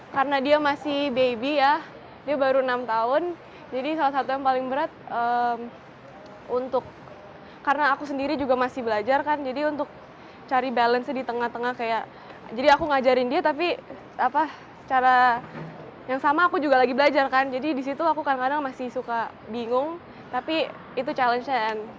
karena dia masih bayi ya dia baru enam tahun jadi salah satu yang paling berat untuk karena aku sendiri juga masih belajar kan jadi untuk cari balance di tengah tengah kayak jadi aku ngajarin dia tapi secara yang sama aku juga lagi belajar kan jadi disitu aku kadang kadang masih suka bingung tapi itu challenge nya kan